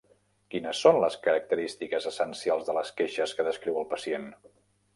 Quines són les característiques essencials de les queixes que descriu el pacient?